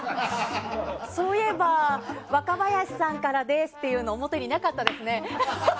そういえば若林さんからです！っていうの表になかったですね。